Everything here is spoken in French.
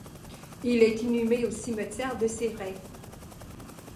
Il est inhumé au Cimetière de Céret.